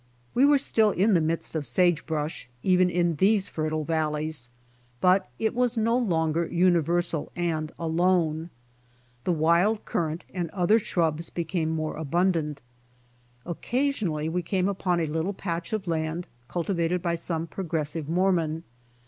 We were still in the midst of sage brush, even in these fertile valleys, but it was no longer universal and alone. The wild currant and other shrubs became more abundant. Occasionally we came upon a little patch of land cultivated by some progressive Mormon.